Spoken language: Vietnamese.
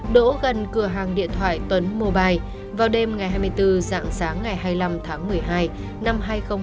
đỗ gần cửa hàng điện thoại tuấn mobile vào đêm ngày hai mươi bốn dạng sáng ngày hai mươi năm tháng một mươi hai năm hai nghìn hai mươi ba